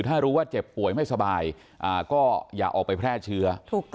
ถ้ารู้ว่าเจ็บป่วยไม่สบายก็อย่าออกไปแพร่เชื้อ